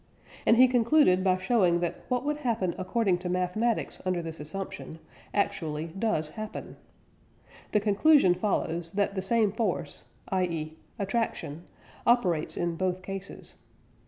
And he concluded by showing that what would happen according to mathematics under this assumption actually does happen. The conclusion follows that the same force, i.e. "attraction," operates in both cases.